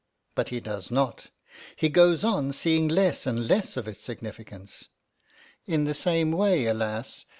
But he does not. He goes on seeing less and less of its significance. In the same way, alas!